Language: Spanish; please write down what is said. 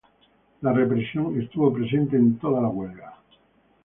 La represión estuvo presente en toda la huelga.